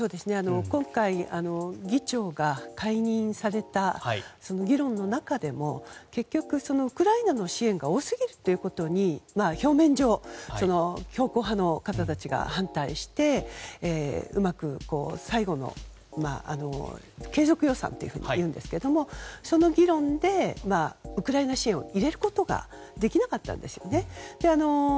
今回議長が解任されたその議論の中でも結局、ウクライナの支援が多すぎるということに表面上、強硬派の方たちが反対して、うまく最後の継続予算というふうに言うんですがその議論でウクライナ支援を入れることができなかったんですね。